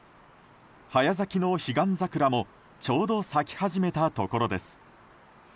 早咲きの彼岸桜もちょうど咲き始めたところです。